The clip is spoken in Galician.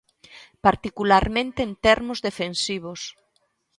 Particularmente en termos defensivos.